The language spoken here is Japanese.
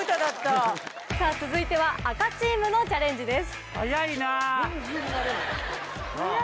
さぁ続いては赤チームのチャレンジです。